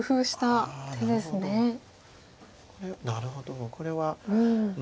なるほどこれはうん。